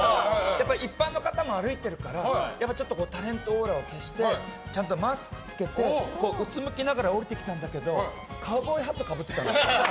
一般の方も歩いてるからタレントオーラを消してちゃんとマスク着けてうつむきながら降りてきたんだけどカウボーイハットかぶってたの。